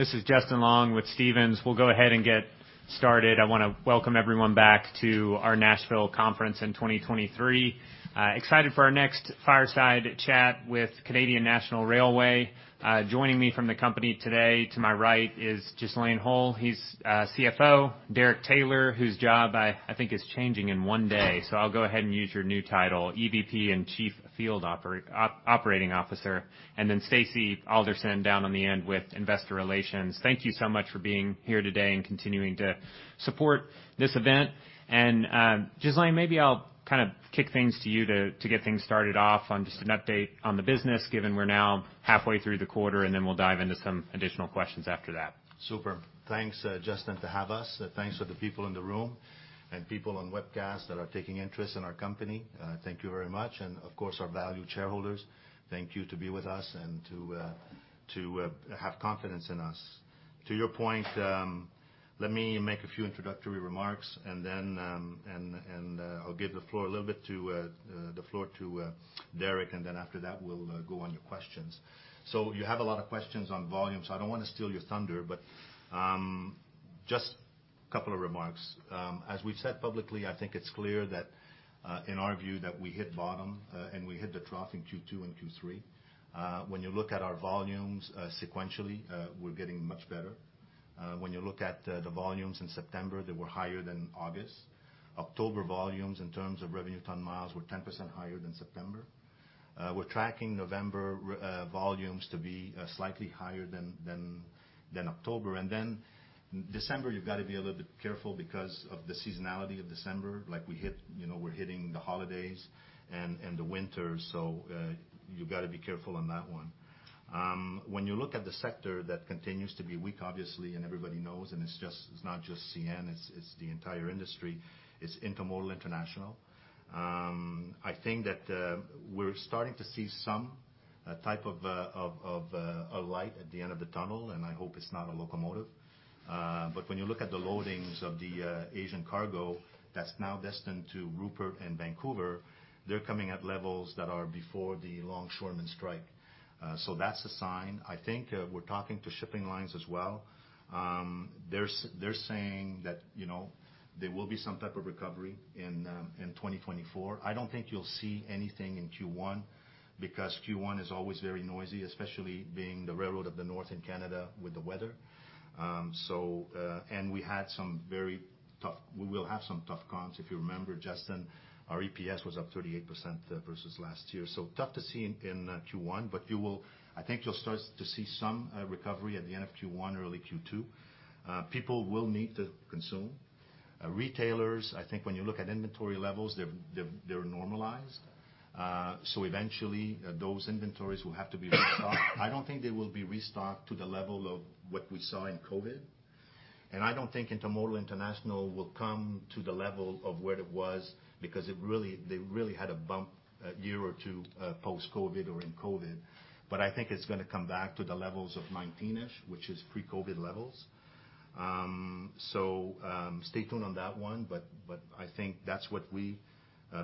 This is Justin Long with Stephens. We'll go ahead and get started. I wanna welcome everyone back to our Nashville conference in 2023. Excited for our next fireside chat with Canadian National Railway. Joining me from the company today, to my right, is Ghislain Houle. He's CFO. Derek Snyder, whose job I think is changing in one day, so I'll go ahead and use your new title, EVP and Chief Field Operating Officer, and then Stacy Alderson, down on the end, with Investor Relations. Thank you so much for being here today and continuing to support this event. Ghislain, maybe I'll kind of kick things to you to get things started off on just an update on the business, given we're now halfway through the quarter, and then we'll dive into some additional questions after that. Super. Thanks, Justin, to have us. Thanks to the people in the room and people on webcast that are taking interest in our company, thank you very much. And of course, our valued shareholders, thank you to be with us and to have confidence in us. To your point, let me make a few introductory remarks, and then I'll give the floor a little bit to Derek, and then after that, we'll go on your questions. So you have a lot of questions on volume, so I don't wanna steal your thunder, but just a couple of remarks. As we've said publicly, I think it's clear that in our view, that we hit bottom and we hit the trough in Q2 and Q3. When you look at our volumes, sequentially, we're getting much better. When you look at the volumes in September, they were higher than August. October volumes, in terms of revenue ton miles, were 10% higher than September. We're tracking November volumes to be slightly higher than October. And then December, you've got to be a little bit careful because of the seasonality of December. Like, we hit, you know, we're hitting the holidays and the winter, so you've got to be careful on that one. When you look at the sector, that continues to be weak, obviously, and everybody knows, and it's just, it's not just CN, it's the entire industry, it's intermodal international. I think that we're starting to see some type of a light at the end of the tunnel, and I hope it's not a locomotive. But when you look at the loadings of the Asian cargo that's now destined to Rupert and Vancouver, they're coming at levels that are before the longshoreman strike. So that's a sign. I think we're talking to shipping lines as well. They're saying that, you know, there will be some type of recovery in 2024. I don't think you'll see anything in Q1, because Q1 is always very noisy, especially being the railroad of the North in Canada with the weather. So and we had some very tough... We will have some tough cons. If you remember, Justin, our EPS was up 38%, versus last year. So tough to see in Q1, but you will, I think you'll start to see some recovery at the end of Q1, early Q2. People will need to consume. Retailers, I think when you look at inventory levels, they're normalized. So eventually, those inventories will have to be restocked. I don't think they will be restocked to the level of what we saw in COVID, and I don't think Intermodal International will come to the level of where it was, because it really, they really had a bump, a year or two, post-COVID or in COVID. But I think it's gonna come back to the levels of 2019-ish, which is pre-COVID levels. So, stay tuned on that one, but, but I think that's what we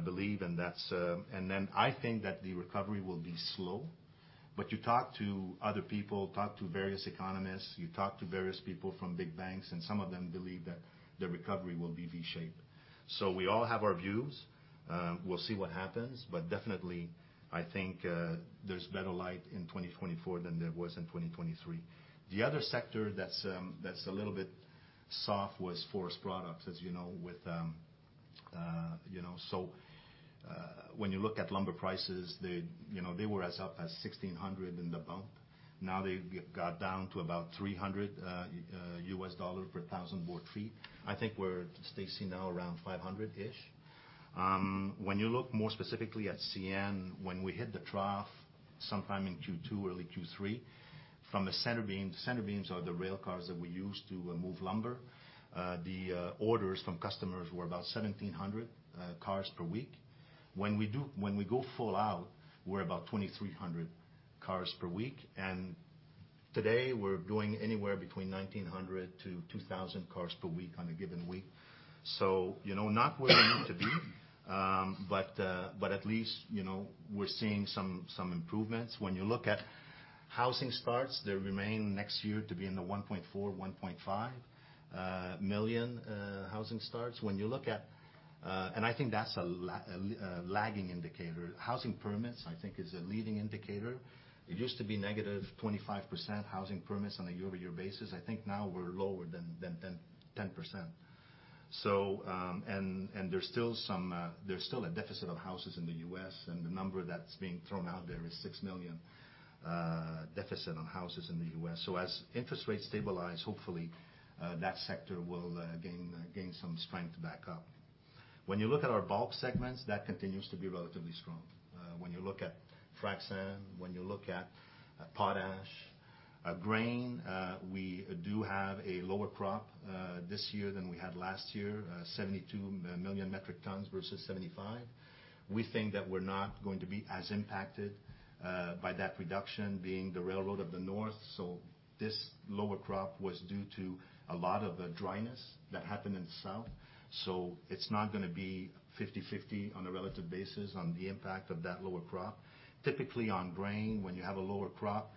believe, and that's... And then I think that the recovery will be slow. But you talk to other people, talk to various economists, you talk to various people from big banks, and some of them believe that the recovery will be V-shaped. So we all have our views. We'll see what happens, but definitely, I think, there's better light in 2024 than there was in 2023. The other sector that's a little bit soft was forest products, as you know, with you know. So, when you look at lumber prices, they, you know, they were as up as $1,600 in the bump. Now, they've got down to about $300 per thousand board feet. I think we're, Stacy, now around 500-ish. When you look more specifically at CN, when we hit the trough, sometime in Q2, early Q3, from the center beam, center beams are the rail cars that we use to move lumber. The orders from customers were about 1,700 cars per week. When we go full out, we're about 2,300 cars per week, and today we're doing anywhere between 1,900-2,000 cars per week on a given week. So you know, not where we need to be, but at least, you know, we're seeing some improvements. When you look at housing starts, they remain next year to be in the 1.4-1.5 million housing starts. When you look at, and I think that's a lagging indicator. Housing permits, I think, is a leading indicator. It used to be -25% housing permits on a year-over-year basis. I think now we're lower than 10%. So, and there's still some, there's still a deficit of houses in the U.S., and the number that's being thrown out there is 6 million deficit on houses in the U.S. So as interest rates stabilize, hopefully, that sector will gain some strength back up. When you look at our bulk segments, that continues to be relatively strong. When you look at frac sand, when you look at potash, grain, we do have a lower crop this year than we had last year, 72 million metric tons versus 75. We think that we're not going to be as impacted by that reduction, being the railroad of the North, so this lower crop was due to a lot of the dryness that happened in the South. So it's not gonna be 50/50 on a relative basis on the impact of that lower crop. Typically, on grain, when you have a lower crop,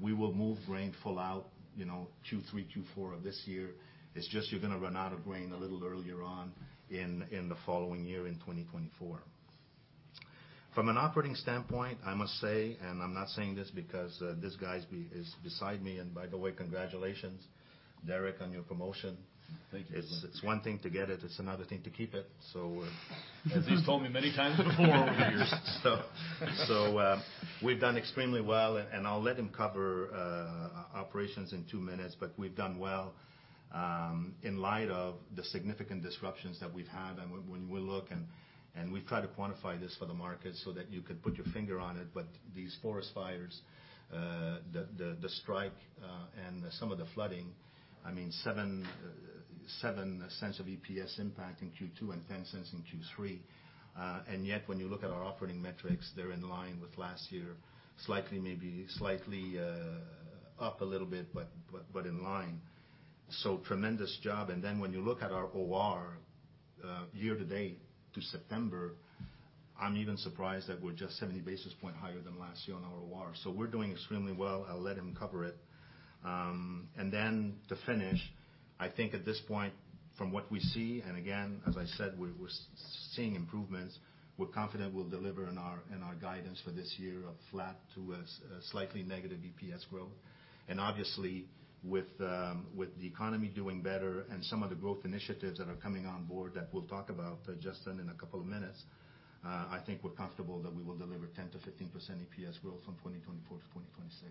we will move grain full out, you know, Q3, Q4 of this year. It's just you're gonna run out of grain a little earlier on in the following year, in 2024. From an operating standpoint, I must say, and I'm not saying this because this guy is beside me, and by the way, congratulations, Derek, on your promotion. Thank you. It's, it's one thing to get it, it's another thing to keep it. So, As you've told me many times before over the years. So, we've done extremely well, and I'll let him cover operations in two minutes, but we've done well in light of the significant disruptions that we've had. And when you look, we've tried to quantify this for the market so that you could put your finger on it, but these forest fires, the strike, and some of the flooding, I mean, 0.07 of EPS impact in Q2 and 0.10 in Q3. And yet, when you look at our operating metrics, they're in line with last year, slightly, maybe slightly up a little bit, but in line. So tremendous job. And then when you look at our OR, year-to-date to September, I'm even surprised that we're just 70 basis point higher than last year on our OR. So we're doing extremely well. I'll let him cover it. And then to finish, I think at this point, from what we see, and again, as I said, we're seeing improvements. We're confident we'll deliver on our guidance for this year of flat to a slightly negative EPS growth. And obviously, with the economy doing better and some of the growth initiatives that are coming on board that we'll talk about just in a couple of minutes, I think we're comfortable that we will deliver 10%-15% EPS growth from 2024 to 2026.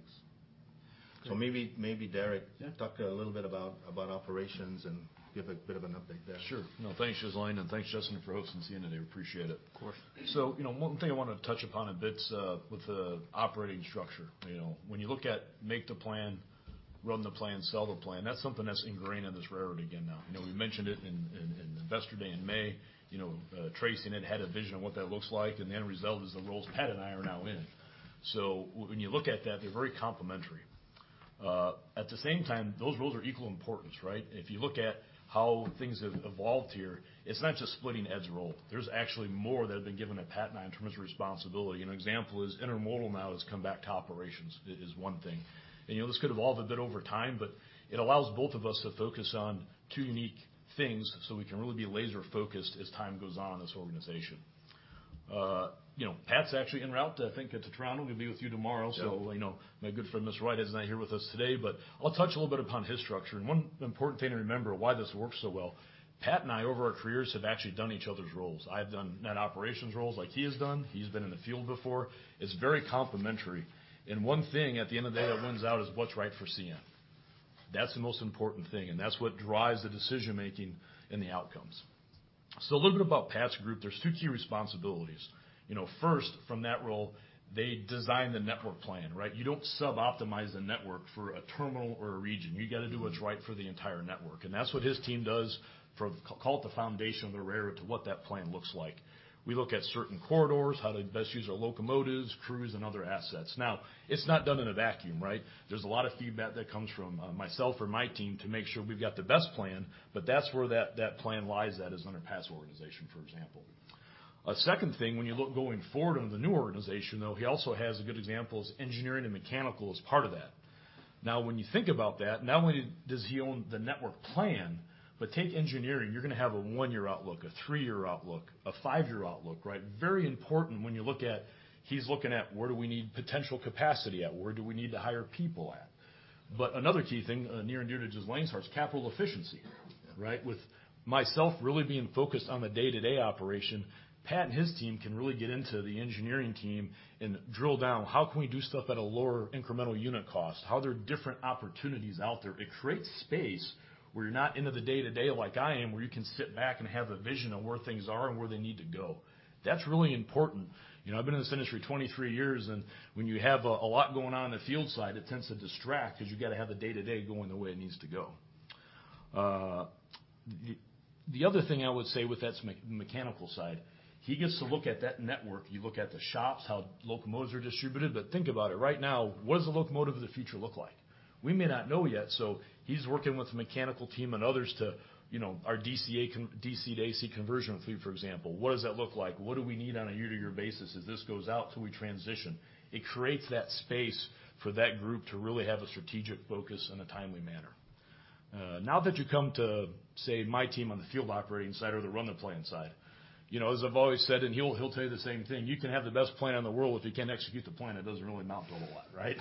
So maybe Derek- Yeah. talk a little bit about operations and give a bit of an update there. Sure. No, thanks, Ghislain, and thanks, Justin, for hosting CN today. Appreciate it. Of course. So, you know, one thing I wanted to touch upon a bit with the operating structure, you know. When you look at make the plan, run the plan, sell the plan, that's something that's ingrained in this railroad again now. You know, we mentioned it in Investor Day in May. You know, Tracy then had a vision of what that looks like, and the end result is the roles Pat and I are now in. So when you look at that, they're very complementary. At the same time, those roles are equal importance, right? If you look at how things have evolved here, it's not just splitting Ed's role. There's actually more that have been given to Pat and I in terms of responsibility. An example is intermodal now has come back to operations is one thing. You know, this could evolve a bit over time, but it allows both of us to focus on two unique things, so we can really be laser focused as time goes on in this organization. You know, Pat's actually en route, I think, into Toronto. He'll be with you tomorrow. Yep. So, you know, my good friend, Mr. Whitehead, is not here with us today, but I'll touch a little bit upon his structure. One important thing to remember, why this works so well, Pat and I, over our careers, have actually done each other's roles. I've done network operations roles like he has done. He's been in the field before. It's very complementary. One thing at the end of the day that wins out is what's right for CN. That's the most important thing, and that's what drives the decision making and the outcomes. So a little bit about Pat's group, there's two key responsibilities. You know, first, from that role, they design the network plan, right? You don't suboptimize the network for a terminal or a region. Mm-hmm. You gotta do what's right for the entire network, and that's what his team does for, see, call it the foundation of the railroad, to what that plan looks like. We look at certain corridors, how to best use our locomotives, crews, and other assets. Now, it's not done in a vacuum, right? There's a lot of feedback that comes from myself or my team to make sure we've got the best plan, but that's where that plan lies at, is under Pat's organization, for example. A second thing, when you look going forward on the new organization, though, he also has a good example, is engineering and mechanical as part of that. Now, when you think about that, not only does he own the network plan, but take engineering, you're gonna have a one-year outlook, a three-year outlook, a five-year outlook, right? Very important when you look at—he's looking at: where do we need potential capacity at? Where do we need to hire people at? But another key thing, near and dear to Ghislain's heart, capital efficiency, right? With myself really being focused on the day-to-day operation, Pat and his team can really get into the engineering team and drill down, how can we do stuff at a lower incremental unit cost? How there are different opportunities out there. It creates space where you're not into the day-to-day like I am, where you can sit back and have a vision of where things are and where they need to go. That's really important. You know, I've been in this industry 23 years, and when you have a lot going on in the field side, it tends to distract because you've got to have the day-to-day going the way it needs to go. The other thing I would say with that's the mechanical side, he gets to look at that network. You look at the shops, how locomotives are distributed, but think about it. Right now, what does the locomotive of the future look like? We may not know yet, so he's working with the mechanical team and others to, you know, our DC to AC conversion fleet, for example. What does that look like? What do we need on a year-to-year basis as this goes out till we transition? It creates that space for that group to really have a strategic focus in a timely manner. Now that you come to, say, my team on the field operating side or the run the plan side, you know, as I've always said, and he'll, he'll tell you the same thing, you can have the best plan in the world, if you can't execute the plan, it doesn't really amount to a lot, right?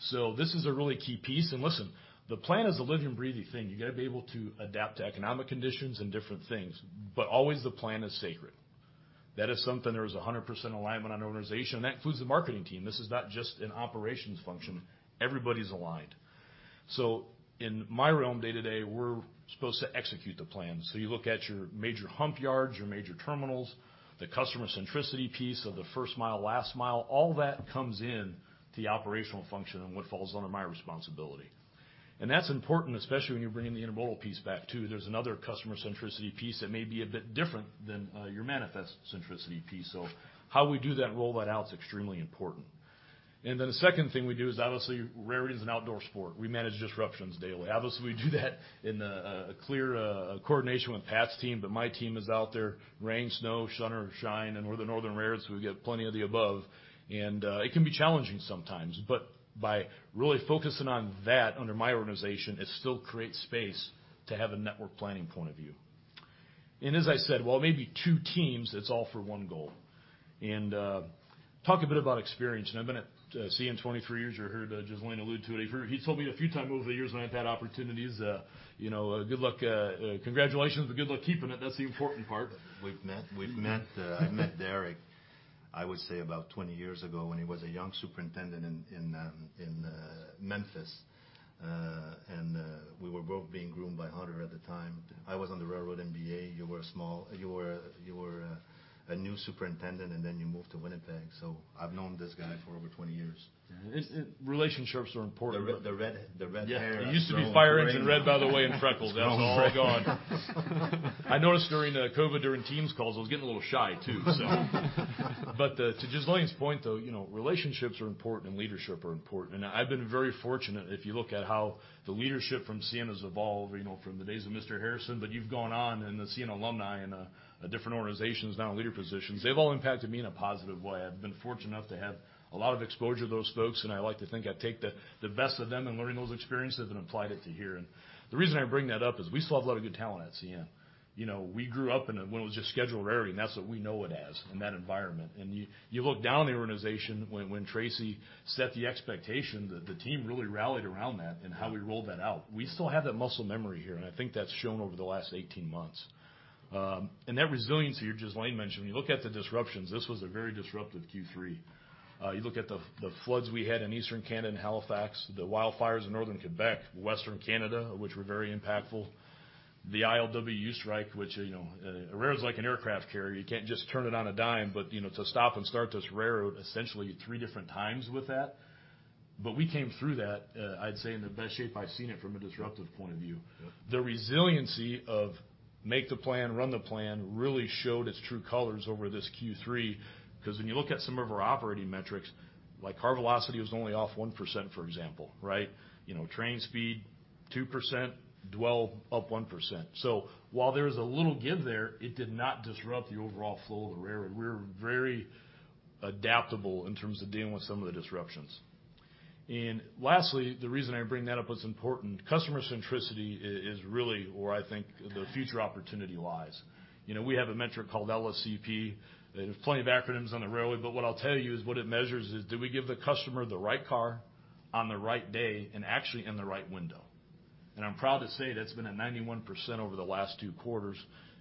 So this is a really key piece. And listen, the plan is a living, breathing thing. You gotta be able to adapt to economic conditions and different things, but always the plan is sacred. That is something there is 100% alignment on our organization, and that includes the marketing team. This is not just an operations function. Everybody's aligned. So in my realm, day-to-day, we're supposed to execute the plan. So you look at your major hump yards, your major terminals, the customer centricity piece of the first mile, last mile, all that comes in to the operational function and what falls under my responsibility. And that's important, especially when you're bringing the intermodal piece back, too. There's another customer centricity piece that may be a bit different than your manifest centricity piece. So how we do that roll that out is extremely important. And then the second thing we do is, obviously, railroad is an outdoor sport. We manage disruptions daily. Obviously, we do that in a clear coordination with Pat's team, but my team is out there, rain, snow, sun or shine. And we're the northern railroads, so we get plenty of the above. And, it can be challenging sometimes, but by really focusing on that under my organization, it still creates space to have a network planning point of view. And as I said, while it may be two teams, it's all for one goal. And, talk a bit about experience, and I've been at CN 23 years. You heard Ghislain allude to it. He told me a few times over the years when I've had opportunities, you know, good luck, congratulations, but good luck keeping it. That's the important part. We've met, we've met, I met Derek, I would say, about 20 years ago when he was a young superintendent in Memphis. We were both being groomed by Hunter at the time. I was on the railroad MBA. You were a new superintendent, and then you moved to Winnipeg. So I've known this guy for over 20 years. It's relationships are important. The red hair. Yeah. It used to be fire engine red, by the way, and freckles. That was all gone. I noticed during COVID, during Teams calls, I was getting a little shy, too, so. But to Ghislain's point, though, you know, relationships are important and leadership are important. And I've been very fortunate, if you look at how the leadership from CN has evolved, you know, from the days of Mr. Harrison, but you've gone on in the CN alumni in different organizations, now in leader positions. They've all impacted me in a positive way. I've been fortunate enough to have a lot of exposure to those folks, and I like to think I take the best of them in learning those experiences and applied it to here. And the reason I bring that up is we still have a lot of good talent at CN. You know, we grew up in a when it was just scheduled railroading, and that's what we know it as, in that environment. You look down the organization when Tracy set the expectation, the team really rallied around that and how we rolled that out. We still have that muscle memory here, and I think that's shown over the last 18 months. And that resilience here, Ghislain mentioned, when you look at the disruptions, this was a very disruptive Q3. You look at the floods we had in Eastern Canada and Halifax, the wildfires in northern Quebec, western Canada, which were very impactful. The ILWU strike, which, you know, a railroad's like an aircraft carrier. You can't just turn it on a dime, but, you know, to stop and start this railroad essentially three different times with that. But we came through that, I'd say, in the best shape I've seen it from a disruptive point of view. Yep. The resiliency of make the plan, run the plan really showed its true colors over this Q3, because when you look at some of our operating metrics, like, car velocity was only off 1%, for example, right? You know, train speed, 2%; dwell, up 1%. So while there was a little give there, it did not disrupt the overall flow of the railroad. We're very adaptable in terms of dealing with some of the disruptions. And lastly, the reason I bring that up, what's important, customer centricity is really where I think the future opportunity lies. You know, we have a metric called LSCP. There's plenty of acronyms on the railway, but what I'll tell you is, what it measures is: did we give the customer the right car on the right day and actually in the right window? And I'm proud to say that's been at 91% over the last two quarters.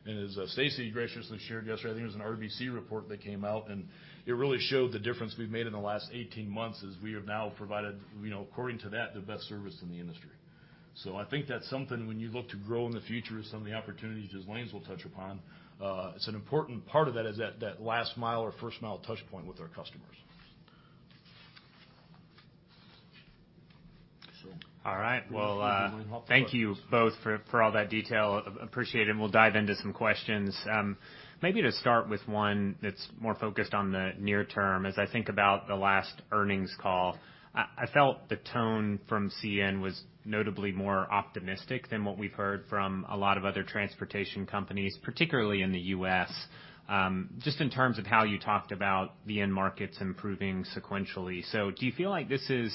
And as, Stacy graciously shared yesterday, I think it was an RBC report that came out, and it really showed the difference we've made in the last 18 months, as we have now provided, you know, according to that, the best service in the industry. So I think that's something when you look to grow in the future with some of the opportunities Ghislain will touch upon, it's an important part of that, is that, that last mile or first mile touch point with our customers. Sure. All right. Well, Thank you. Thank you both for, for all that detail. Appreciate it, and we'll dive into some questions. Maybe to start with one that's more focused on the near term. As I think about the last earnings call, I felt the tone from CN was notably more optimistic than what we've heard from a lot of other transportation companies, particularly in the U.S.. Just in terms of how you talked about the end markets improving sequentially. So do you feel like this is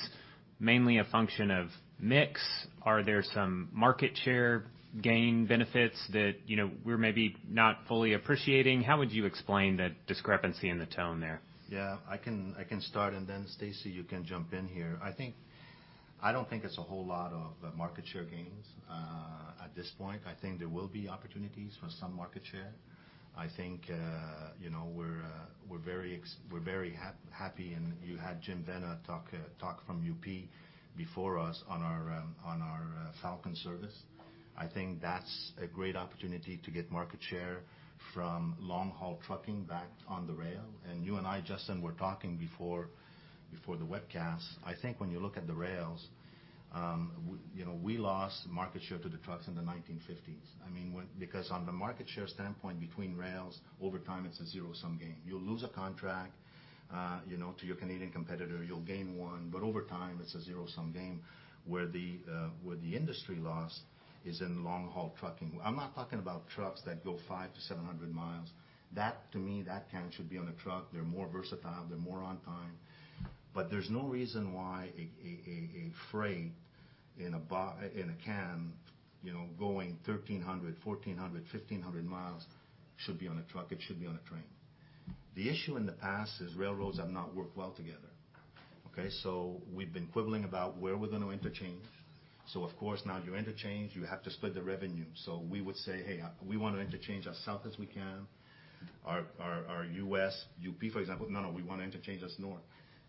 mainly a function of mix? Are there some market share gain benefits that, you know, we're maybe not fully appreciating? How would you explain that discrepancy in the tone there? Yeah, I can start, and then, Stacy, you can jump in here. I think I don't think it's a whole lot of market share gains at this point. I think there will be opportunities for some market share. I think, you know, we're very happy, and you had Jim Vena talk from UP before us on our Falcon service. I think that's a great opportunity to get market share from long-haul trucking back on the rail. And you and I, Justin, were talking before the webcast. I think when you look at the rails, you know, we lost market share to the trucks in the 1950s. I mean, when because on the market share standpoint, between rails, over time, it's a zero-sum game. You'll lose a contract, you know, to your Canadian competitor, you'll gain one, but over time, it's a zero-sum game, where the industry loss is in long-haul trucking. I'm not talking about trucks that go 500-700 miles. That, to me, that kind should be on a truck. They're more versatile, they're more on time. But there's no reason why a freight in a can, you know, going 1,300, 1,400, 1,500 miles should be on a truck. It should be on a train. The issue in the past is railroads have not worked well together, okay? So we've been quibbling about where we're going to interchange. So of course, now you interchange, you have to split the revenue. So we would say, "Hey, we want to interchange as south as we can." Our U.S., UP, for example, "No, no, we want to interchange as north."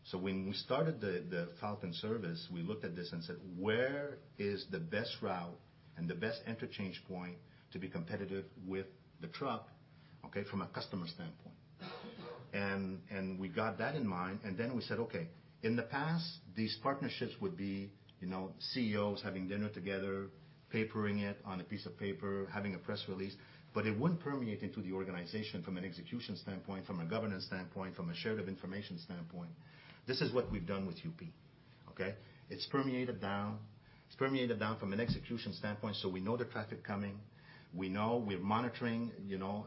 So when we started the Falcon service, we looked at this and said: Where is the best route and the best interchange point to be competitive with the truck, okay, from a customer standpoint? And we got that in mind, and then we said, okay, in the past, these partnerships would be, you know, CEOs having dinner together, papering it on a piece of paper, having a press release, but it wouldn't permeate into the organization from an execution standpoint, from a governance standpoint, from a sharing of information standpoint. This is what we've done with UP, okay? It's permeated down. It's permeated down from an execution standpoint, so we know the traffic coming. We know we're monitoring, you know,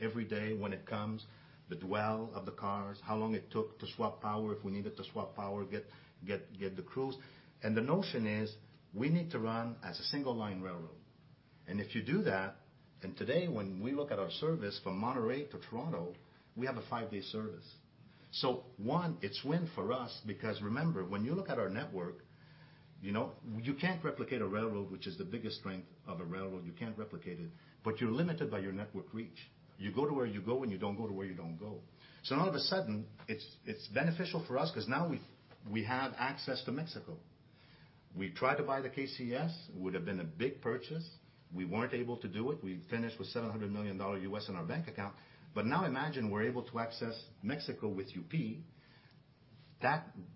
every day when it comes, the dwell of the cars, how long it took to swap power, if we needed to swap power, get the crews. And the notion is, we need to run as a single-line railroad. And if you do that, and today, when we look at our service from Monterrey to Toronto, we have a five-day service. So one, it's win for us, because remember, when you look at our network, you know, you can't replicate a railroad, which is the biggest strength of a railroad. You can't replicate it, but you're limited by your network reach. You go to where you go, and you don't go to where you don't go. So all of a sudden, it's beneficial for us because now we have access to Mexico. We tried to buy the KCS. It would have been a big purchase. We weren't able to do it. We finished with $700 million in our bank account. But now imagine we're able to access Mexico with UP.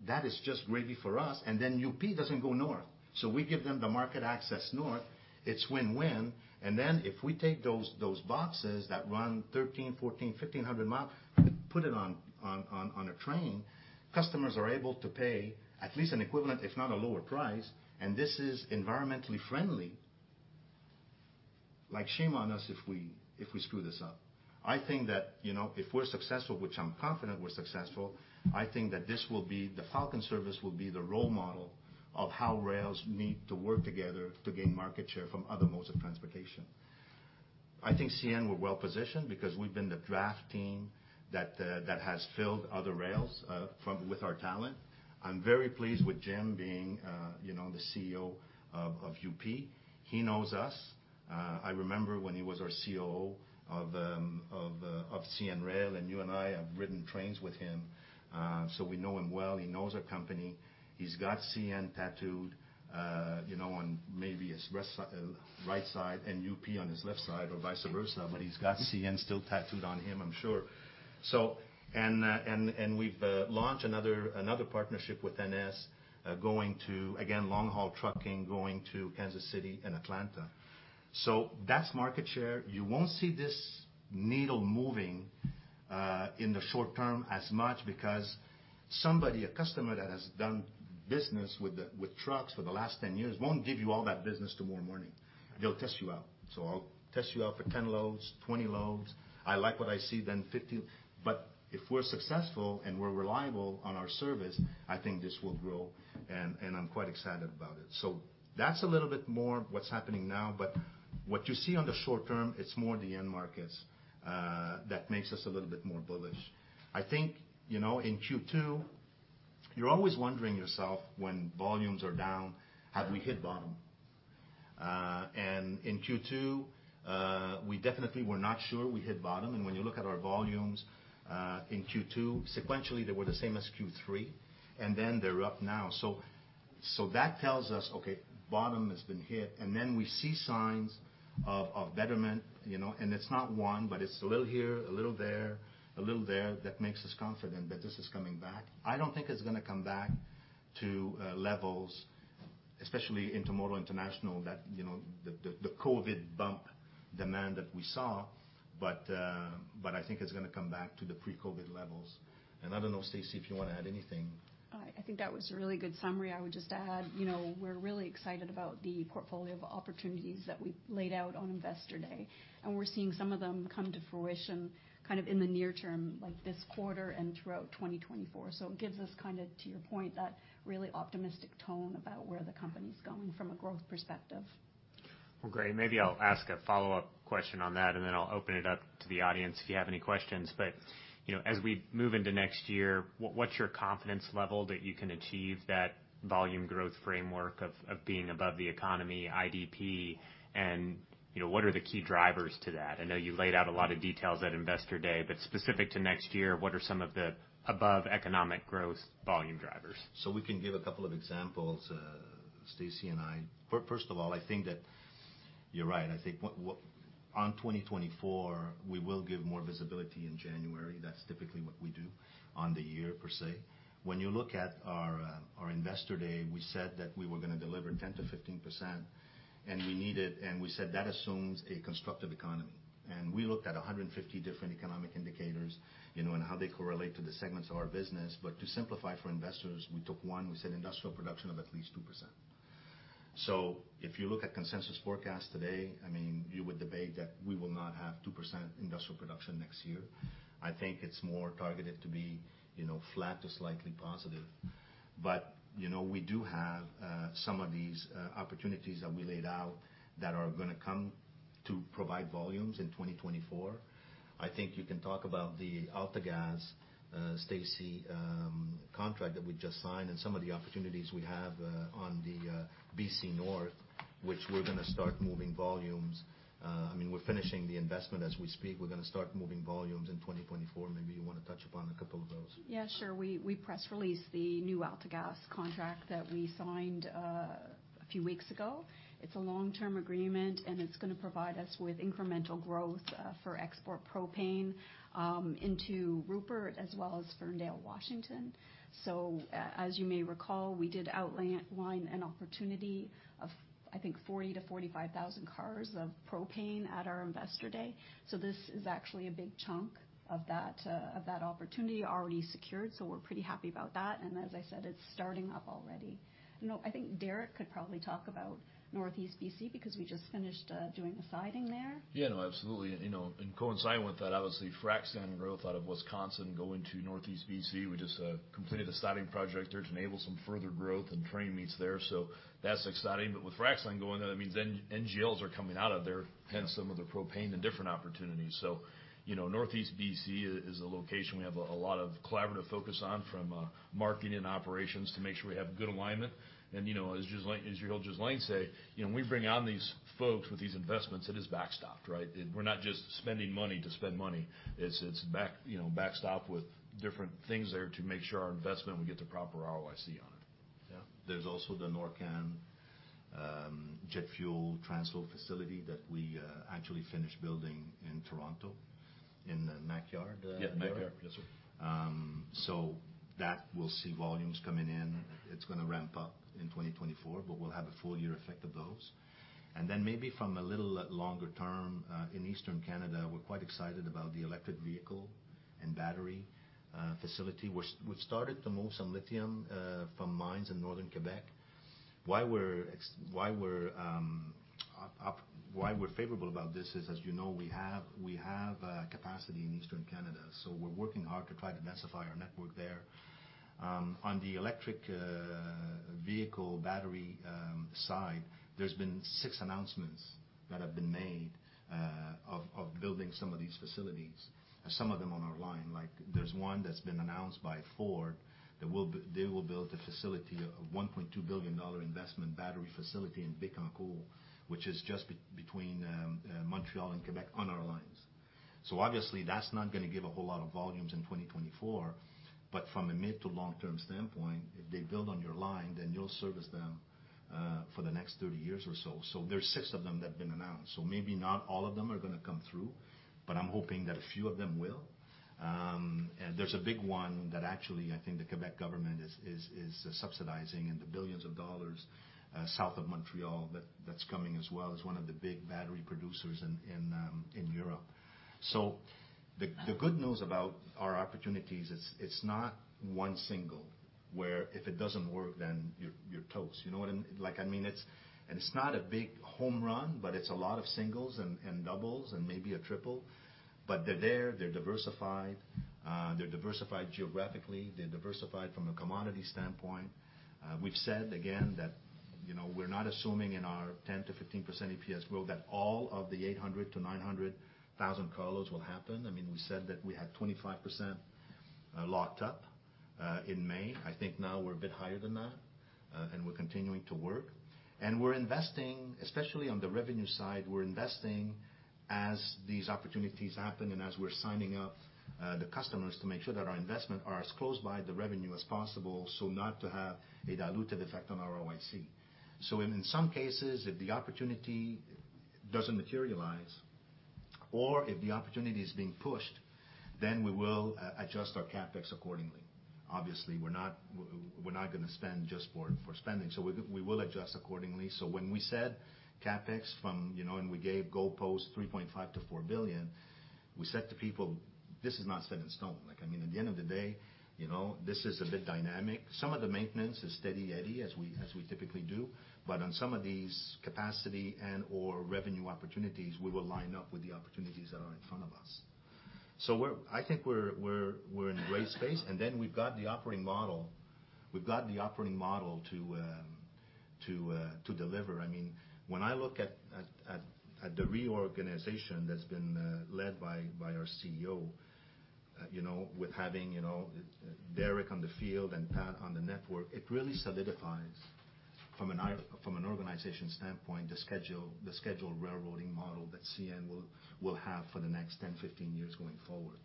That is just gravy for us, and then UP doesn't go north, so we give them the market access north. It's win-win. And then if we take those boxes that run 1,300-1,500 miles, put it on a train, customers are able to pay at least an equivalent, if not a lower price, and this is environmentally friendly. Like, shame on us if we screw this up. I think that, you know, if we're successful, which I'm confident we're successful, I think that this will be... The Falcon service will be the role model of how rails need to work together to gain market share from other modes of transportation. I think CN, we're well-positioned because we've been the draft team that, that has filled other rails, from with our talent. I'm very pleased with Jim being, you know, the CEO of, of UP. He knows us. I remember when he was our COO of, of, of CN Rail, and you and I have ridden trains with him, so we know him well. He knows our company. He's got CN tattooed, you know, on maybe his right side and UP on his left side or vice versa, but he's got CN still tattooed on him, I'm sure. And we've launched another partnership with NS, going to, again, long-haul trucking, going to Kansas City and Atlanta. So that's market share. You won't see this needle moving in the short term as much, because a customer that has done business with trucks for the last 10 years won't give you all that business tomorrow morning. They'll test you out. So I'll test you out for 10 loads, 20 loads. I like what I see, then 50. But if we're successful, and we're reliable on our service, I think this will grow, and I'm quite excited about it. So that's a little bit more what's happening now, but what you see on the short term, it's more the end markets that makes us a little bit more bullish. I think, you know, in Q2, you're always wondering yourself, when volumes are down, have we hit bottom? And in Q2, we definitely were not sure we hit bottom, and when you look at our volumes, in Q2, sequentially, they were the same as Q3, and then they're up now. So, so that tells us, okay, bottom has been hit, and then we see signs of, of betterment, you know, and it's not one, but it's a little here, a little there, a little there, that makes us confident that this is coming back. I don't think it's going to come back to, levels, especially intermodal international, that, you know, the COVID bump demand that we saw. But, but I think it's gonna come back to the pre-COVID levels. And I don't know, Stacy, if you want to add anything. I think that was a really good summary. I would just add, you know, we're really excited about the portfolio of opportunities that we've laid out on Investor Day, and we're seeing some of them come to fruition, kind of in the near term, like this quarter and throughout 2024. So it gives us kind of, to your point, that really optimistic tone about where the company's going from a growth perspective. Well, great. Maybe I'll ask a follow-up question on that, and then I'll open it up to the audience if you have any questions. But, you know, as we move into next year, what, what's your confidence level that you can achieve that volume growth framework of, of being above the economy, GDP, and, you know, what are the key drivers to that? I know you laid out a lot of details at Investor Day, but specific to next year, what are some of the above economic growth volume drivers? So we can give a couple of examples, Stacy and I. First of all, I think that you're right. I think what. On 2024, we will give more visibility in January. That's typically what we do on the year per se. When you look at our, our Investor Day, we said that we were gonna deliver 10%-15%, and we need it, and we said that assumes a constructive economy. And we looked at 150 different economic indicators, you know, and how they correlate to the segments of our business. But to simplify for investors, we took one, we said, industrial production of at least 2%. So if you look at consensus forecast today, I mean, you would debate that we will not have 2% industrial production next year. I think it's more targeted to be, you know, flat to slightly positive. But, you know, we do have some of these opportunities that we laid out that are gonna come to provide volumes in 2024. I think you can talk about the AltaGas, Stacy, contract that we just signed and some of the opportunities we have on the BC North, which we're gonna start moving volumes. I mean, we're finishing the investment as we speak. We're gonna start moving volumes in 2024. Maybe you want to touch upon a couple of those. Yeah, sure. We press released the new AltaGas contract that we signed a few weeks ago. It's a long-term agreement, and it's gonna provide us with incremental growth for export propane into Rupert as well as Ferndale, Washington. So as you may recall, we did line an opportunity of, I think, 40,000-45,000 cars of propane at our Investor Day. So this is actually a big chunk of that opportunity already secured, so we're pretty happy about that, and as I said, it's starting up already. You know, I think Derek could probably talk about Northeast BC, because we just finished doing the siding there. Yeah, no, absolutely. You know, in coinciding with that, obviously, Frac Sand growth out of Wisconsin going to Northeast BC. We just completed the siding project there to enable some further growth and train meets there. So that's exciting. But with Frac Sand going there, that means NGLs are coming out of there, hence some of the propane and different opportunities. So, you know, Northeast BC is a location we have a lot of collaborative focus on, from marketing and operations, to make sure we have good alignment. And, you know, as Gilles... as you heard Ghislain pointed out say, you know, we bring on these folks with these investments, it is backstopped, right? We're not just spending money to spend money. It's, it's back, you know, backstopped with different things there to make sure our investment will get the proper ROIC on it.... Yeah, there's also the Norchem jet fuel transfer facility that we actually finished building in Toronto, in the Mac Yard? Yeah, Mac Yard. Yes, sir. So that will see volumes coming in. It's gonna ramp up in 2024, but we'll have a full year effect of those. And then maybe from a little longer term, in Eastern Canada, we're quite excited about the electric vehicle and battery facility, which we've started to move some lithium from mines in northern Quebec. Why we're favorable about this is, as you know, we have capacity in Eastern Canada, so we're working hard to try to densify our network there. On the electric vehicle battery side, there's been six announcements that have been made of building some of these facilities, some of them on our line. Like, there's one that's been announced by Ford, that they will build a facility, a $1.2 billion investment battery facility in Bécancour, which is just between Montreal and Quebec on our lines. So obviously, that's not gonna give a whole lot of volumes in 2024, but from a mid to long-term standpoint, if they build on your line, then you'll service them for the next 30 years or so. So there's 6 of them that have been announced. So maybe not all of them are gonna come through, but I'm hoping that a few of them will. And there's a big one that actually, I think the Quebec government is subsidizing in the billions of dollars, south of Montreal, that's coming as well, as one of the big battery producers in Europe. So the good news about our opportunities is, it's not one single, where if it doesn't work, then you're, you're toast. You know what I mean? Like, I mean, it's and it's not a big home run, but it's a lot of singles and, and doubles and maybe a triple. But they're there, they're diversified, they're diversified geographically, they're diversified from a commodity standpoint. We've said again, that, you know, we're not assuming in our 10%-15% EPS growth, that all of the 800,000-900,000 carloads will happen. I mean, we said that we had 25%, locked up, in May. I think now we're a bit higher than that, and we're continuing to work. We're investing, especially on the revenue side, we're investing as these opportunities happen and as we're signing up the customers to make sure that our investment are as close by the revenue as possible, so not to have a dilutive effect on our ROIC. So in some cases, if the opportunity doesn't materialize or if the opportunity is being pushed, then we will adjust our CapEx accordingly. Obviously, we're not, we're not gonna spend just for spending, so we will adjust accordingly. So when we said CapEx from, you know, and we gave go-forward $3.5 billion-$4 billion, we said to people, "This is not set in stone." Like, I mean, at the end of the day, you know, this is a bit dynamic. Some of the maintenance is steady, Eddie, as we typically do, but on some of these capacity and/or revenue opportunities, we will line up with the opportunities that are in front of us. So we're—I think we're in great space, and then we've got the operating model. We've got the operating model to deliver. I mean, when I look at the reorganization that's been led by our CEO, you know, with having, you know, Derek on the field and Pat on the network, it really solidifies from an organization standpoint, the schedule, the scheduled railroading model that CN will have for the next 10, 15 years going forward.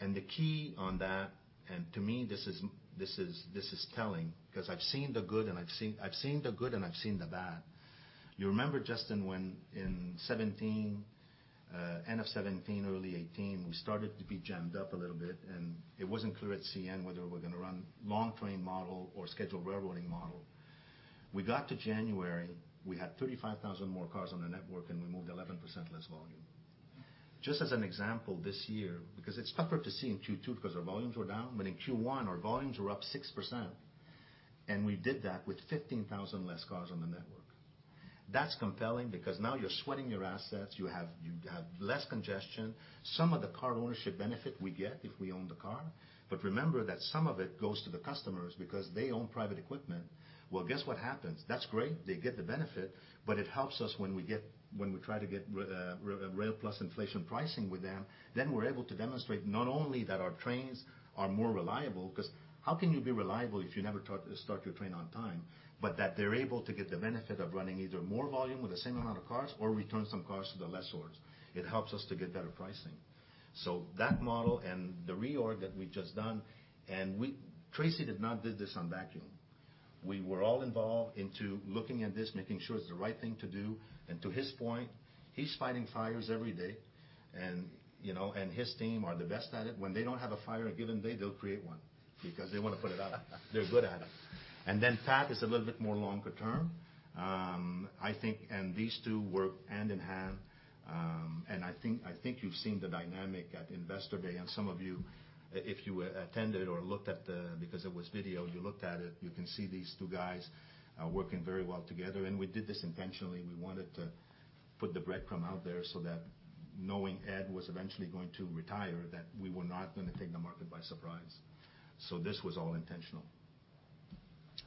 And the key on that, and to me, this is, this is, this is telling, 'cause I've seen the good, and I've seen—I've seen the good and I've seen the bad. You remember, Justin, when in 2017, end of 2017, early 2018, we started to be jammed up a little bit, and it wasn't clear at CN whether we're gonna run long-term train model or scheduled railroading model. We got to January, we had 35,000 more cars on the network, and we moved 11% less volume. Just as an example, this year, because it's tougher to see in Q2, because our volumes were down, but in Q1, our volumes were up 6%, and we did that with 15,000 less cars on the network. That's compelling because now you're sweating your assets, you have, you have less congestion. Some of the car ownership benefit we get if we own the car, but remember that some of it goes to the customers because they own private equipment. Well, guess what happens? That's great, they get the benefit, but it helps us when we get--when we try to get re, re, rail plus inflation pricing with them, then we're able to demonstrate not only that our trains are more reliable, 'cause how can you be reliable if you never start your train on time? But that they're able to get the benefit of running either more volume with the same amount of cars or return some cars to the lessors. It helps us to get better pricing. So that model and the reorg that we've just done, and we--Tracy did not do this in a vacuum. We were all involved in looking at this, making sure it's the right thing to do. To his point, he's fighting fires every day, and, you know, his team are the best at it. When they don't have a fire a given day, they'll create one, because they want to put it out. They're good at it. Then Pat is a little bit more long term. I think these two work hand in hand, and I think you've seen the dynamic at Investor Day, and some of you, if you attended or looked at it... Because it was video, you looked at it, you can see these two guys working very well together. We did this intentionally. We wanted to put the breadcrumb out there so that knowing Ed was eventually going to retire, that we were not gonna take the market by surprise. This was all intentional.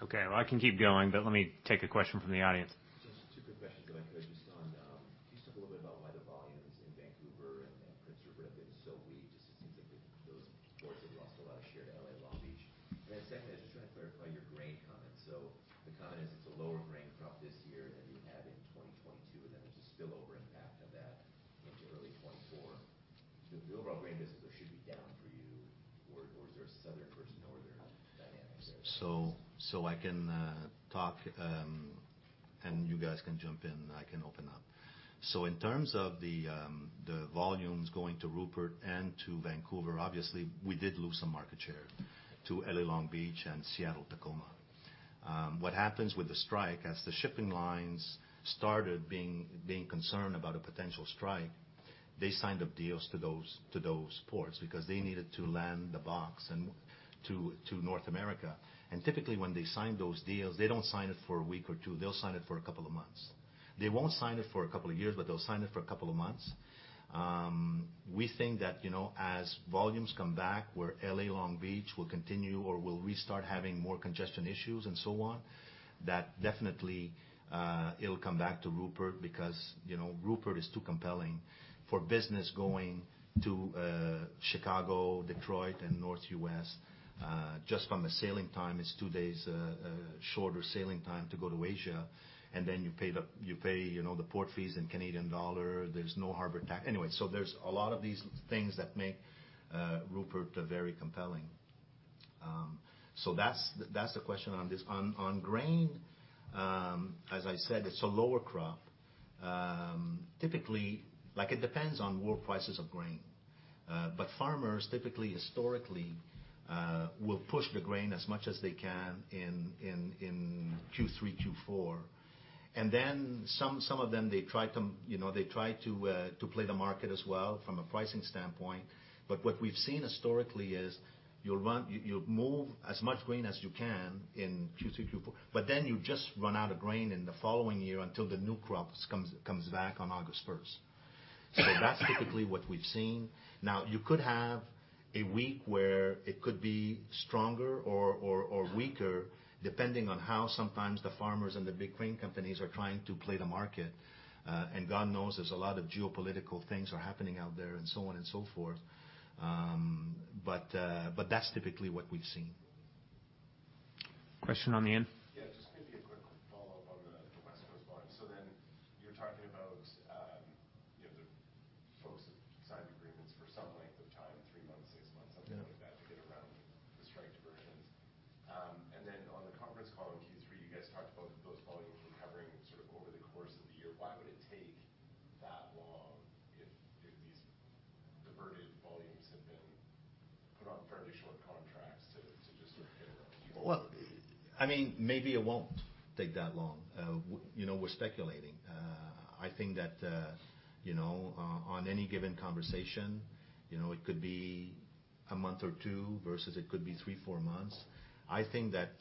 Okay, well, I can keep going, but let me take a question from the audience. Just two quick questions, if I could, just on, can you talk a little bit about why the volumes in Vancouver and Prince Rupert have been so weak? Just, it seems like those ports have lost a lot of share to LA Long Beach. And then secondly, I was just trying to clarify your grain comment. So the comment is, it's a lower grain crop this year, and you have-... spillover impact of that into early 2024, the overall grain business should be down for you, or, or is there a southern versus northern dynamic there? So, so I can talk, and you guys can jump in, and I can open up. So in terms of the volumes going to Rupert and to Vancouver, obviously, we did lose some market share to LA/Long Beach and Seattle-Tacoma. What happens with the strike, as the shipping lines started being concerned about a potential strike, they signed up deals to those ports because they needed to land the box and to North America. And typically, when they sign those deals, they don't sign it for a week or two. They'll sign it for a couple of months. They won't sign it for a couple of years, but they'll sign it for a couple of months. We think that, you know, as volumes come back, where LA Long Beach will continue or will restart having more congestion issues and so on, that definitely, it'll come back to Rupert, because, you know, Rupert is too compelling for business going to, Chicago, Detroit, and North U.S.. Just from a sailing time, it's two days shorter sailing time to go to Asia, and then you pay the-- you pay, you know, the port fees in Canadian dollar. There's no harbor tax. Anyway, so there's a lot of these things that make, Rupert, very compelling. So that's the question on this. On grain, as I said, it's a lower crop. Typically, like, it depends on world prices of grain. But farmers typically, historically, will push the grain as much as they can in Q3, Q4. And then some of them, they try to, you know, they try to play the market as well from a pricing standpoint. But what we've seen historically is you'll run—you'll move as much grain as you can in Q3, Q4, but then you just run out of grain in the following year until the new crops comes back on August first. So that's typically what we've seen. Now, you could have a week where it could be stronger or weaker, depending on how sometimes the farmers and the big grain companies are trying to play the market. And God knows, there's a lot of geopolitical things happening out there and so on and so forth. But that's typically what we've seen. Question on the end? Yeah, just maybe a quick follow-up on the West Coast line. So then you're talking about, you know, the folks that signed agreements for some length of time, three months, six months- Something like that, to get around the strike diversions. And then on the conference call in Q3, you guys talked about those volumes recovering sort of over the course of the year. Why would it take that long if these diverted volumes have been put on fairly short contracts to just sort of get around? Well, I mean, maybe it won't take that long. You know, we're speculating. I think that, you know, on any given conversation, you know, it could be a month or two, versus it could be three, four months. I think that,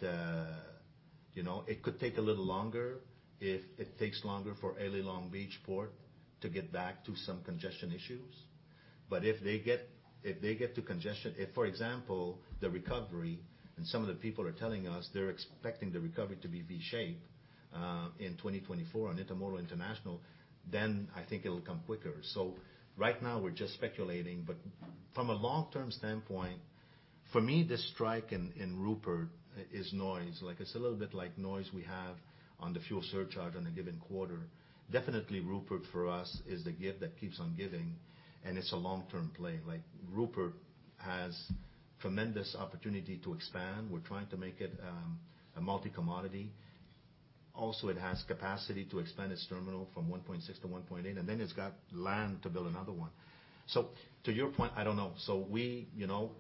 you know, it could take a little longer if it takes longer for L.A./Long Beach Port to get back to some congestion issues. But if they get to congestion... If, for example, the recovery, and some of the people are telling us, they're expecting the recovery to be V-shaped in 2024 on intermodal international, then I think it'll come quicker. So right now we're just speculating, but from a long-term standpoint, for me, this strike in Rupert is noise. Like, it's a little bit like noise we have on the fuel surcharge on a given quarter. Definitely, Rupert, for us, is the gift that keeps on giving, and it's a long-term play. Like, Rupert has tremendous opportunity to expand. We're trying to make it a multi-commodity. Also, it has capacity to expand its terminal from 1.6 to 1.8, and then it's got land to build another one. So to your point, I don't know. So we, you know,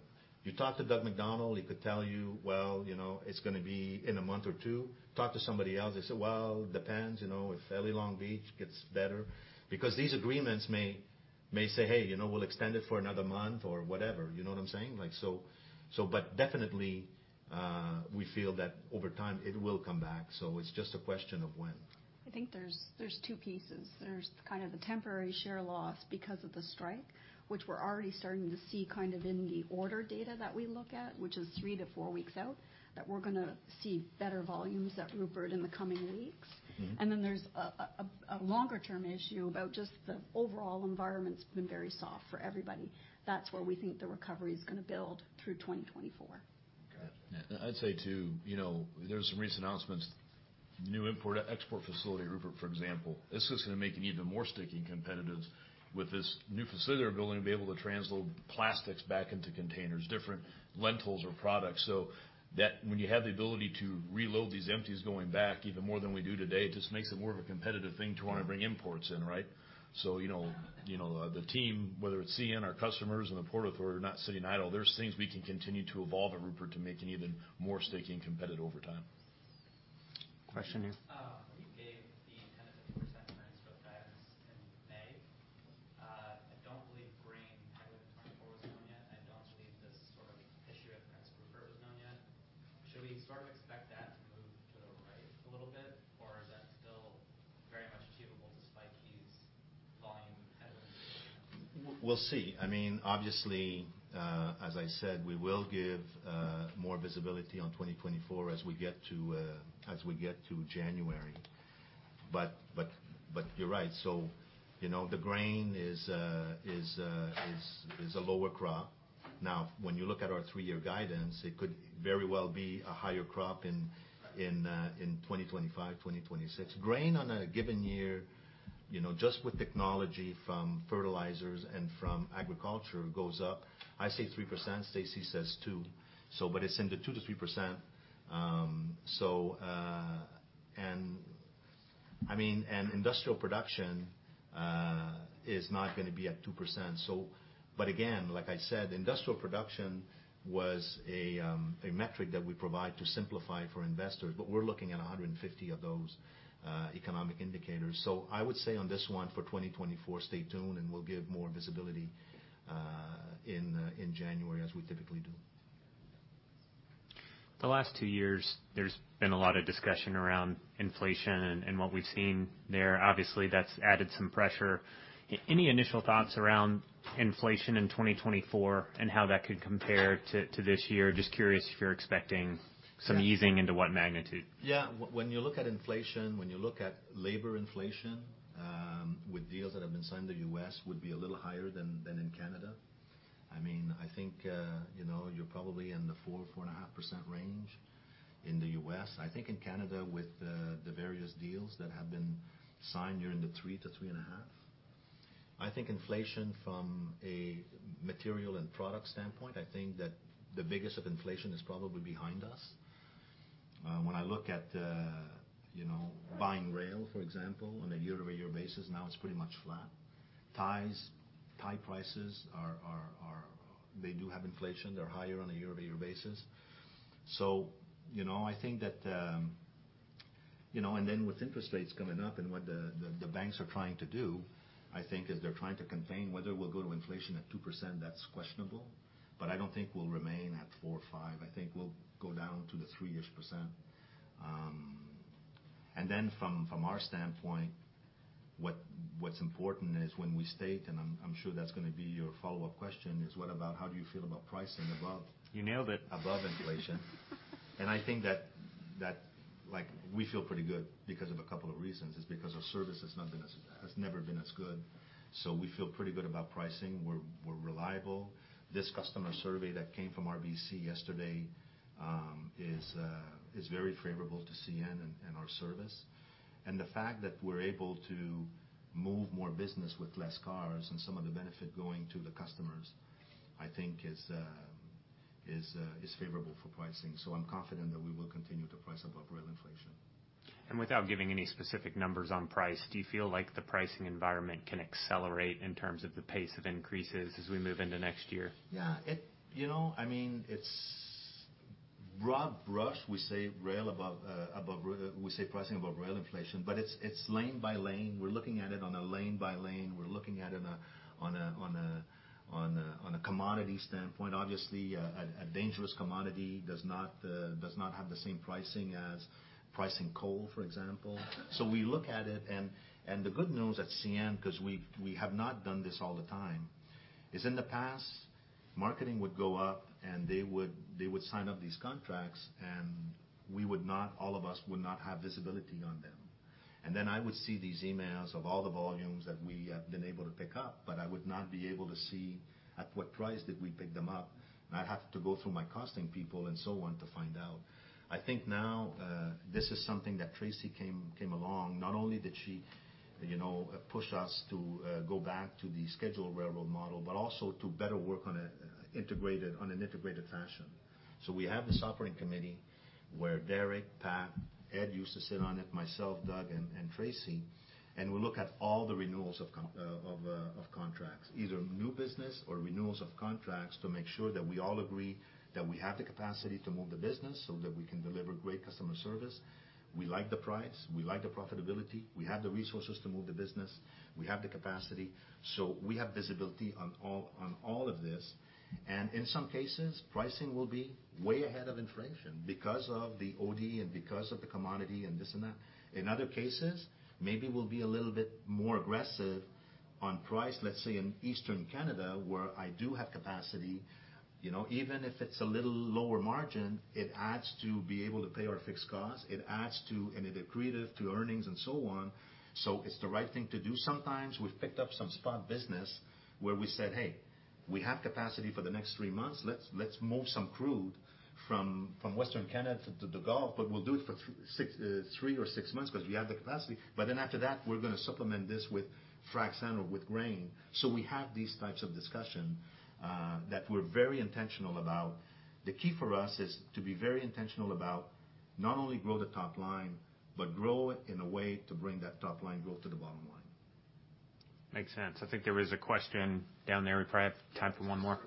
you talk to Doug MacDonald, he could tell you, "Well, you know, it's gonna be in a month or two." Talk to somebody else, they say, "Well, depends, you know, if L.A. Long Beach gets better." Because these agreements may say, "Hey, you know, we'll extend it for another month or whatever." You know what I'm saying? Like, so, so but definitely, we feel that over time, it will come back. So it's just a question of when. I think there's two pieces. There's kind of the temporary share loss because of the strike, which we're already starting to see kind of in the order data that we look at, which is three-four weeks out, that we're gonna see better volumes at Rupert in the coming weeks. And then there's a longer-term issue about just the overall environment's been very soft for everybody. That's where we think the recovery is gonna build through 2024. Got it. I'd say, too, you know, there were some recent announcements, new import-export facility at Rupert, for example. This is gonna make it even more sticky and competitive with this new facility they're building to be able to transload plastics back into containers, different lentils or products. So that... When you have the ability to reload these empties going back even more than we do today, it just makes it more of a competitive thing to want to bring imports in, right? So, you know, you know, the team, whether it's CN, our customers, and the Port Authority, are not sitting idle. There's things we can continue to evolve at Rupert to make it even more sticky and competitive over time. Question here. You gave the 10%-15% guidance in May. I don't believe grain heading into 2024 was known yet, and I don't believe this sort of issue at Rupert was known yet. Should we sort of expect that to move to the right a little bit, or is that still very much achievable despite CN's volume heading? We'll see. I mean, obviously, as I said, we will give more visibility on 2024 as we get to January. But you're right. So, you know, the grain is a lower crop. Now, when you look at our three-year guidance, it could very well be a higher crop in 2025, 2026. Grain on a given year, you know, just with technology from fertilizers and from agriculture, goes up, I say 3%, Stacy says 2%. So but it's in the 2%-3%. So, and I mean, and industrial production is not going to be at 2%. But again, like I said, Industrial Production was a metric that we provide to simplify for investors, but we're looking at 150 of those economic indicators. So I would say on this one, for 2024, stay tuned, and we'll give more visibility in January, as we typically do. The last two years, there's been a lot of discussion around inflation and what we've seen there. Obviously, that's added some pressure. Any initial thoughts around inflation in 2024 and how that could compare to this year? Just curious if you're expecting some easing and what magnitude. Yeah. When you look at inflation, when you look at labor inflation, with deals that have been signed, the U.S. would be a little higher than in Canada. I mean, I think, you know, you're probably in the 4%-4.5% range in the U.S.. I think in Canada, with the various deals that have been signed, you're in the 3%-3.5%. I think inflation from a material and product standpoint, I think that the biggest of inflation is probably behind us. When I look at, you know, buying rail, for example, on a year-over-year basis, now it's pretty much flat. Ties, tie prices are. They do have inflation. They're higher on a year-over-year basis. So, you know, I think that, you know, and then with interest rates going up and what the banks are trying to do, I think, is they're trying to contain whether we'll go to inflation at 2%, that's questionable, but I don't think we'll remain at four or five. I think we'll go down to the 3-ish%. And then from our standpoint, what's important is when we state, and I'm sure that's going to be your follow-up question, is what about how do you feel about pricing above- You nailed it. above inflation? And I think that, like, we feel pretty good because of a couple of reasons, is because our service has never been as good. So we feel pretty good about pricing. We're reliable. This customer survey that came from RBC yesterday is very favorable to CN and our service. And the fact that we're able to move more business with less cars and some of the benefit going to the customers, I think is favorable for pricing. So I'm confident that we will continue to price above rail inflation. Without giving any specific numbers on price, do you feel like the pricing environment can accelerate in terms of the pace of increases as we move into next year? Yeah, you know, I mean, it's broad brush. We say rail above rail—we say pricing above rail inflation, but it's lane by lane. We're looking at it lane by lane. We're looking at it on a commodity standpoint. Obviously, a dangerous commodity does not have the same pricing as pricing coal, for example. So we look at it, and the good news at CN, because we have not done this all the time, is in the past, marketing would go up, and they would sign up these contracts, and we would not, all of us would not have visibility on them. Then I would see these emails of all the volumes that we have been able to pick up, but I would not be able to see at what price did we pick them up. I'd have to go through my costing people and so on to find out. I think now, this is something that Tracy came along. Not only did she, you know, push us to go back to the scheduled railroad model, but also to better work on an integrated fashion. So we have this operating committee where Derek, Pat, Ed used to sit on it, myself, Doug, and Tracy, and we look at all the renewals of contracts, either new business or renewals of contracts, to make sure that we all agree that we have the capacity to move the business so that we can deliver great customer service. We like the price, we like the profitability, we have the resources to move the business, we have the capacity, so we have visibility on all, on all of this. And in some cases, pricing will be way ahead of inflation because of the OD and because of the commodity and this and that. In other cases, maybe we'll be a little bit more aggressive on price, let's say, in Eastern Canada, where I do have capacity. You know, even if it's a little lower margin, it adds to be able to pay our fixed costs, it adds to, and it accretive to earnings and so on. So it's the right thing to do. Sometimes we've picked up some spot business where we said: "Hey, we have capacity for the next three months. Let's move some crude from Western Canada to the Gulf, but we'll do it for three or six months because we have the capacity. But then after that, we're going to supplement this with frac sand or with grain. So we have these types of discussion that we're very intentional about. The key for us is to be very intentional about not only grow the top line, but grow it in a way to bring that top-line growth to the bottom line. Makes sense. I think there was a question down there. We probably have time for one more.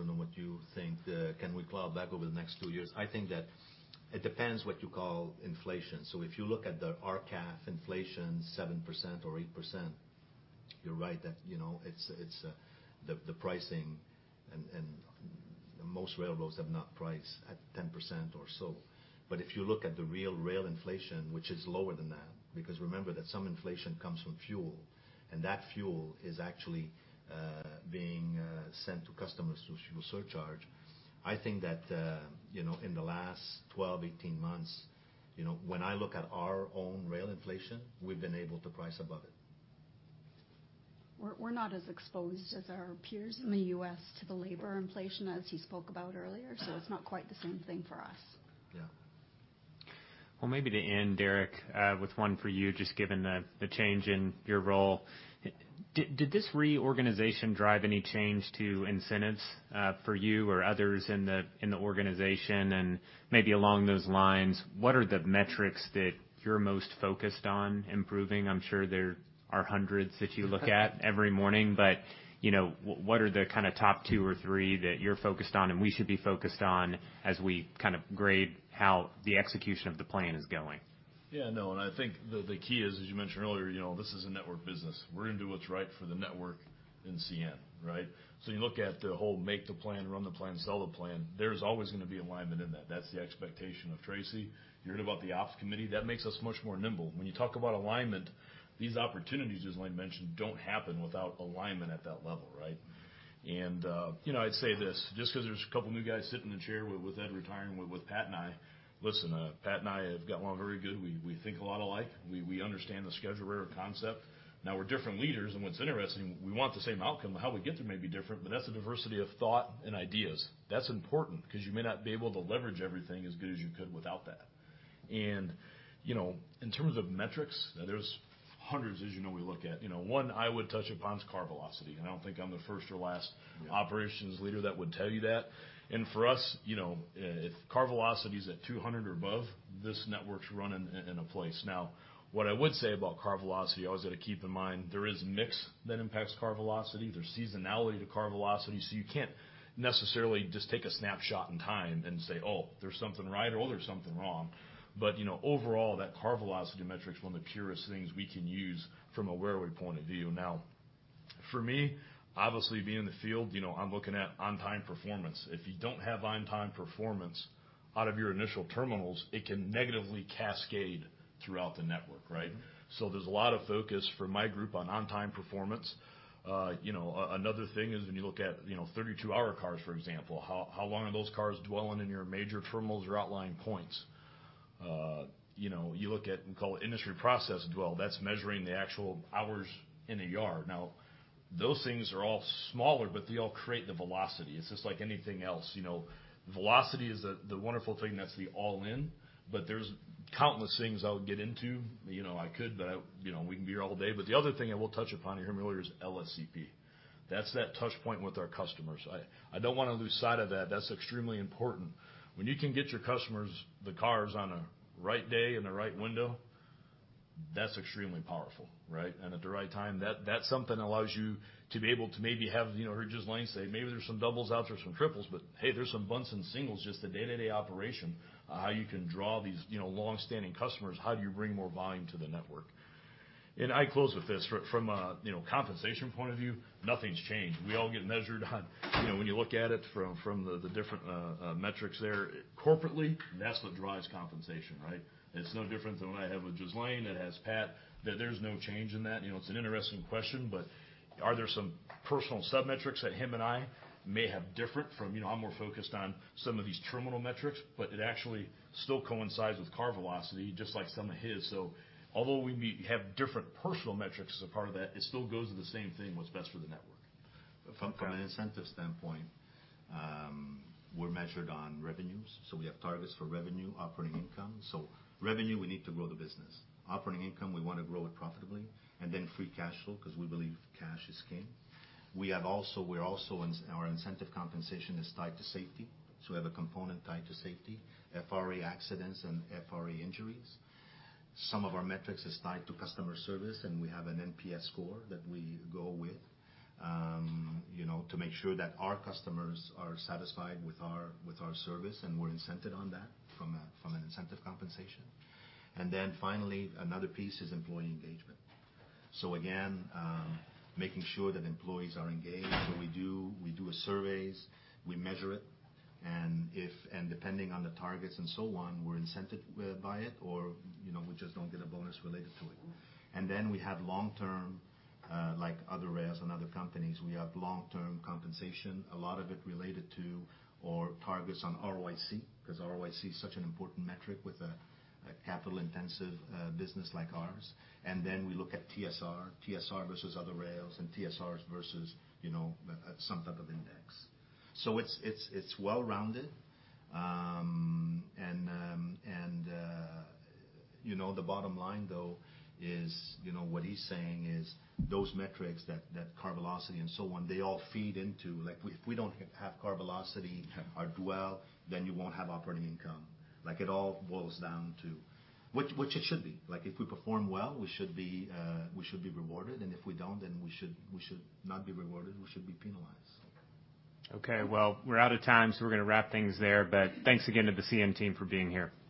Sort of more of like a follow-up clarification, because you obviously weren't able to price above inflation over the last sort of 18-24 months, like super inflation, let's call it. So how long do you think it would take you to get back to sort of that historical kind of margin run rate or whatever? Like, can you claw it back over the course of three years or something to make yourself whole? I don't know what you think. Can we claw it back over the next two years? I think that it depends what you call inflation. So if you look at the RCAF inflation, 7% or 8%—you're right, that, you know, it's the pricing and most railroads have not priced at 10% or so. But if you look at the real rail inflation, which is lower than that, because remember that some inflation comes from fuel, and that fuel is actually being sent to customers through fuel surcharge. I think that, you know, in the last 12, 18 months, you know, when I look at our own rail inflation, we've been able to price above it. We're not as exposed as our peers in the U.S. to the labor inflation as he spoke about earlier, so it's not quite the same thing for us. Yeah. Well, maybe to end, Derek, with one for you, just given the change in your role. Did this reorganization drive any change to incentives for you or others in the organization? And maybe along those lines, what are the metrics that you're most focused on improving? I'm sure there are hundreds that you look at every morning, but you know, what are the kinda top two or three that you're focused on and we should be focused on as we kind of grade how the execution of the plan is going? Yeah, no, and I think the key is, as you mentioned earlier, you know, this is a network business. We're gonna do what's right for the network in CN, right? So you look at the whole make the plan, run the plan, sell the plan, there's always gonna be alignment in that. That's the expectation of Tracy. You heard about the ops committee, that makes us much more nimble. When you talk about alignment, these opportunities, as I mentioned, don't happen without alignment at that level, right? And, you know, I'd say this, just 'cause there's a couple new guys sitting in the chair with Ed retiring, with Pat and I. Listen, Pat and I have got along very good. We think a lot alike. We understand the schedule railroad concept. Now we're different leaders, and what's interesting, we want the same outcome. How we get there may be different, but that's the diversity of thought and ideas. That's important, 'cause you may not be able to leverage everything as good as you could without that. And, you know, in terms of metrics, there's hundreds, as you know, we look at. You know, one I would touch upon is car velocity. I don't think I'm the first or last- Yeah... operations leader that would tell you that. And for us, you know, if car velocity is at 200 or above, this network's running in place. Now, what I would say about car velocity, always got to keep in mind, there is mix that impacts car velocity. There's seasonality to car velocity, so you can't necessarily just take a snapshot in time and say, "Oh, there's something right, or there's something wrong." But, you know, overall, that car velocity metric is one of the purest things we can use from a railway point of view. Now, for me, obviously, being in the field, you know, I'm looking at on-time performance. If you don't have on-time performance out of your initial terminals, it can negatively cascade throughout the network, right? So there's a lot of focus for my group on on-time performance. You know, another thing is when you look at, you know, 32-hour cars, for example, how long are those cars dwelling in your major terminals or outlying points? You know, you look at, we call it industry process dwell, that's measuring the actual hours in a yard. Now, those things are all smaller, but they all create the velocity. It's just like anything else, you know, velocity is the wonderful thing, that's the all-in, but there's countless things I would get into. You know, I could, but I, you know, we can be here all day. But the other thing I will touch upon, you heard me earlier, is LSCP. That's that touch point with our customers. I don't wanna lose sight of that. That's extremely important. When you can get your customers the cars on a right day, in the right window, that's extremely powerful, right? And at the right time, that, that's something that allows you to be able to maybe have, you know, heard Ghislain say, maybe there's some doubles out there, some triples, but hey, there's some bunts and singles, just the day-to-day operation, how you can draw these, you know, long-standing customers, how do you bring more volume to the network? And I close with this, from a, you know, compensation point of view, nothing's changed. We all get measured on you know, when you look at it from, from the, the different, metrics there. Corporately, that's what drives compensation, right? It's no different than what I have with Ghislain, it has Pat, there, there's no change in that. You know, it's an interesting question, but are there some personal submetrics that him and I may have different from... You know, I'm more focused on some of these terminal metrics, but it actually still coincides with car velocity, just like some of his. So although we may have different personal metrics as a part of that, it still goes to the same thing, what's best for the network. From an incentive standpoint, we're measured on revenues, so we have targets for revenue, operating income. So revenue, we need to grow the business. Operating income, we want to grow it profitably, and then free cash flow, because we believe cash is king. We're also, in our incentive compensation is tied to safety, so we have a component tied to safety, FRA accidents and FRA injuries. Some of our metrics is tied to customer service, and we have an NPS score that we go with, you know, to make sure that our customers are satisfied with our, with our service, and we're incented on that from a, from an incentive compensation. And then finally, another piece is employee engagement. So again, making sure that employees are engaged. So we do surveys, we measure it, and if and depending on the targets and so on, we're incentivized by it or, you know, we just don't get a bonus related to it. And then we have long-term, like other rails and other companies, we have long-term compensation, a lot of it related to our targets on ROIC, because ROIC is such an important metric with a capital-intensive business like ours. And then we look at TSR, TSR versus other rails, and TSRs versus, you know, some type of index. So it's well-rounded. And you know, the bottom line, though, is, you know, what he's saying is those metrics, that car velocity and so on, they all feed into like, if we don't have car velocity or dwell, then you won't have operating income. Like, it all boils down to which it should be. Like, if we perform well, we should be rewarded, and if we don't, then we should not be rewarded, we should be penalized. Okay, well, we're out of time, so we're gonna wrap things there, but thanks again to the CN team for being here.